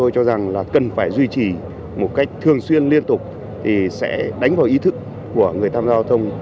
chỉ một cách thường xuyên liên tục thì sẽ đánh vào ý thức của người tham gia giao thông